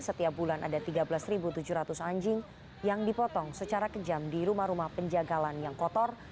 setiap bulan ada tiga belas tujuh ratus anjing yang dipotong secara kejam di rumah rumah penjagalan yang kotor